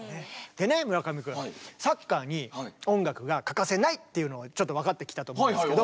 でね村上君サッカーに音楽が欠かせないっていうのはちょっと分かってきたと思うんですけど。